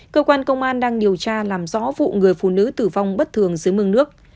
cơ quan công an đang điều tra làm rõ vụ người phụ nữ tử vong bất thường dưới mương nước